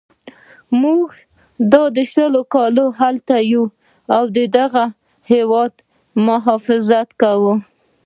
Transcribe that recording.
موږ دا شل کاله هلته یو او د هغه هیواد مخافظت کوو.